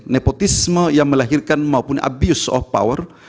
nepotisme yang melahirkan maupun abuse of power